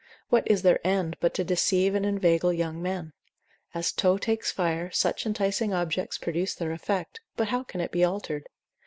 what is their end, but to deceive and inveigle young men? As tow takes fire, such enticing objects produce their effect, how can it be altered?